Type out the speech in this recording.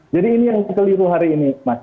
jadi ini yang keliru hari ini mas